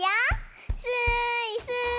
スーイスーイ。